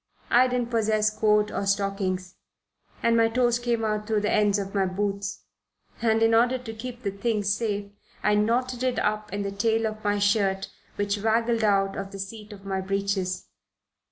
I didn't possess coat or stockings, and my toes came out through the ends of my boots, and in order to keep the thing safe I knotted it up in the tail of my shirt, which waggled out of the seat of my breeches.